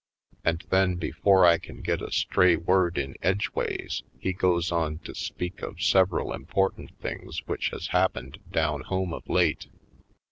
And then, before I can get a stray word in edgeways, he goes on to speak of several important things which has hap pened dov/n home of late.